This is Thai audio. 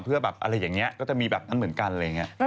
เพื่อแบบอะไรอย่างนี้ก็จะมีแบบนั้นเหมือนกันอะไรอย่างนี้